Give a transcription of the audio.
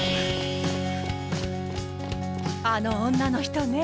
あの女の人ね